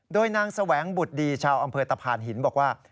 โดยนางแสวงบุตรดีชาวอำเภอตะพานหินบอกว่า